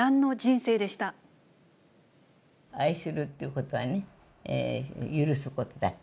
愛するっていうことはね、許すことだって。